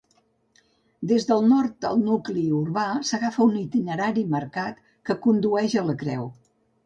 Des del nord del nucli urbà s'agafa un itinerari marcat que condueix a la creu.